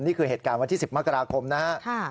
นี่คือเหตุการณ์วันที่๑๐มกราคมนะฮะ